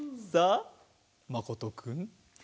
さあまことくん？